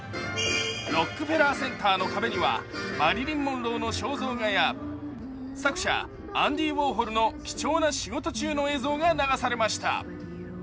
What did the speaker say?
ロックフェラーセンターの壁にはマリリン・モンローの肖像画や作者アンディ・ウォーホルの貴重な仕事中の映像が流されました。